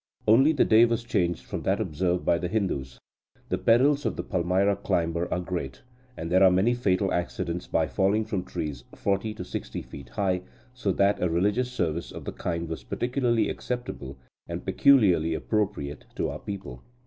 Only the day was changed from that observed by the Hindus. The perils of the palmyra climber are great, and there are many fatal accidents by falling from trees forty to sixty feet high, so that a religious service of the kind was particularly acceptable and peculiarly appropriate to our people."